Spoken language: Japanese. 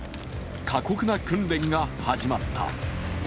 過酷な訓練が始まった。